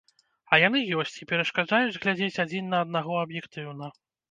А яны ёсць, і перашкаджаюць глядзець адзін на аднаго аб'ектыўна.